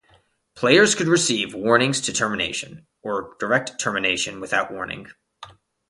Players could receive warnings to termination, or direct termination without warning.